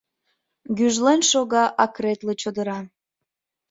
Гӱжлен шога акретле чодыра.